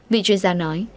vị chuyên gia nói